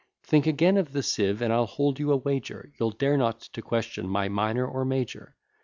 Think again of the sieve, and I'll hold you a wager, You'll dare not to question my minor or major.